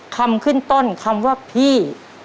คำขึ้นต้นคำว่าพี่